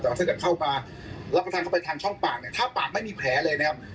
แต่ว่าถ้าเกิดเข้ามารับประทานเข้าไปทางช่องปากเนี่ยถ้าปากไม่มีแผลเลยนะครับ